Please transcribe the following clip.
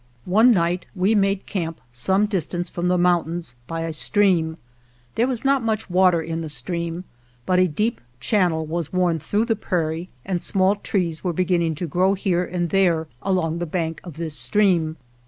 One night we made camp some distance from the mountains by a stream. There was not much water in the stream, but a deep channel was worn through the prairie and small trees were beginning to grow here and there along the bank of this stream.